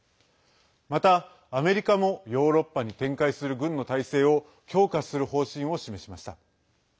また、アメリカもヨーロッパに展開する軍の態勢を強化する方針を示しました。